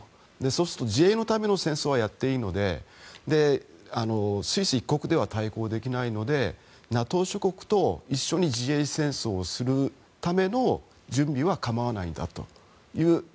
そうすると自衛のための戦争はやっていいのでスイス１国では対抗できないのでＮＡＴＯ諸国と一緒に自衛戦争をするための準備は構わないんだという。